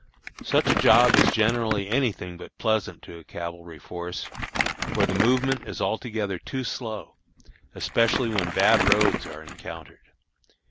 Such a job is generally any thing but pleasant to a cavalry force, for the movement is altogether too slow, especially when bad roads are encountered.